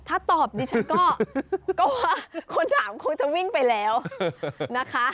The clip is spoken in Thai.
ถ้าตอบดิฉันก็ว่าคนสามคงจะวิ่งไปแล้วนะคะ